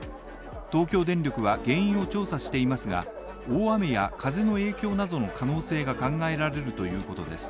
東京電力は原因を調査していますが、大雨や風の影響などの可能性が考えられるということです。